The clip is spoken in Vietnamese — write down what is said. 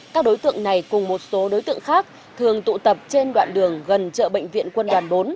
các đối tượng này cùng một số đối tượng khác thường tụ tập trên đoạn đường gần chợ bệnh viện quân đoàn bốn